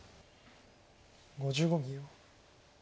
５５秒。